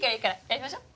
やりましょう。